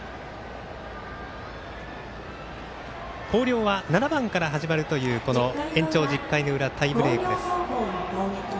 広陵は７番から始まるという延長１０回の裏タイブレークです。